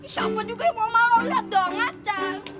siapa juga yang mau malah lo lihat doang aja